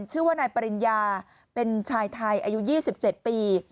ชื่อว่านายปริญญาเป็นชายไทยอายุ๒๗ปี